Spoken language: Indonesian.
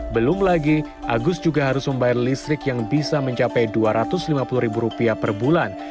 belum lagi agus juga harus membayar listrik yang bisa mencapai dua ratus lima puluh ribu rupiah per bulan